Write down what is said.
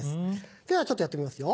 ではちょっとやってみますよ。